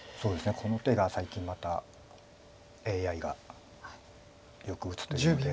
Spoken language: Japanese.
この手が最近またＡＩがよく打つというんで。